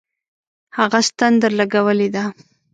هغه ستن درلگولې ده.